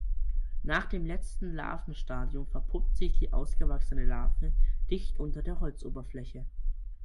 Nach dem letzten Larvenstadium verpuppt sich die ausgewachsene Larve dicht unter der Holzoberfläche.